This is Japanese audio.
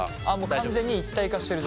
完全に一体化してる状態か。